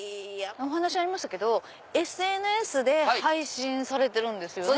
お話にありましたけどＳＮＳで配信されてるんですよね。